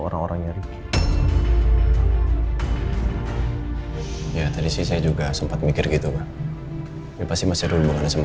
orang orangnya ya tadi sih saya juga sempat mikir gitu ya pasti masih berhubungan sama